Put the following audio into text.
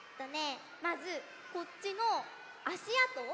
まずこっちのあしあと。